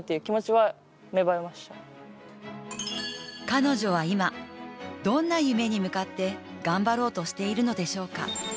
彼女は今、どんな夢に向かって頑張ろうとしているのでしょうか？